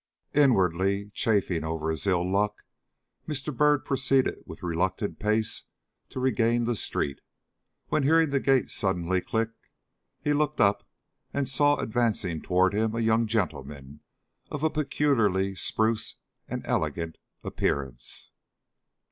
Inwardly chafing over his ill luck, Mr. Byrd proceeded with reluctant pace to regain the street, when, hearing the gate suddenly click, he looked up, and saw advancing toward him a young gentleman of a peculiarly spruce and elegant appearance.